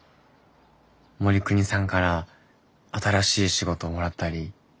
護国さんから新しい仕事もらったり。